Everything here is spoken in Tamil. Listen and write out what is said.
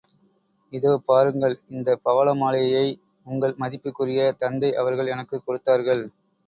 இதோ, பாருங்கள், இந்தப் பவளமாலையை உங்கள் மதிப்புக்குரிய தந்தை அவர்கள் எனக்குக் கொடுத்தார்கள்.